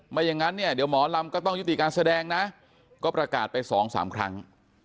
อย่างนั้นเนี่ยเดี๋ยวหมอลำก็ต้องยุติการแสดงนะก็ประกาศไปสองสามครั้ง